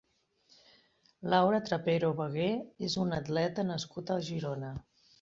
Laura Trapero Bagué és una atleta nascuda a Girona.